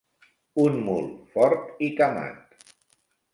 Un mul fort i camat.